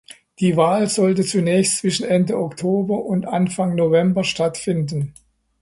Die Wahl sollte zunächst zwischen Ende Oktober und Anfang November stattfinden.